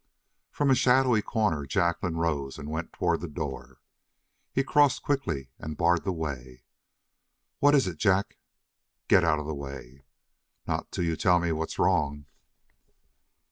From a shadowy corner Jacqueline rose and went toward the door. He crossed quickly and barred the way. "What is it, Jack?" "Get out of the way." "Not till you tell me what's wrong."